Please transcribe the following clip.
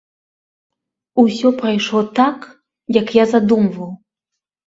Усё прайшло так, як я задумваў.